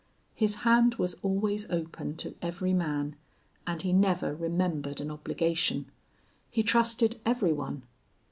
His hand was always open to every man and he never remembered an obligation. He trusted every one.